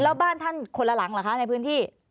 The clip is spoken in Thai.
แล้วบ้านท่านคนละหลังเหรอคะในพื้นที่